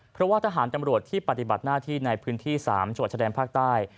เพราะว่าทหารตำรวจที่ปฏิบัติหน้าที่ในพื้นที่๓จังหวัดชะแดนภาคใต้